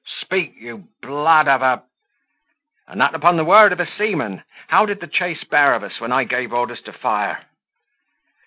Speak, you blood of a , and that upon the word of a seaman: how did the chase bear of us when I gave orders to fire?"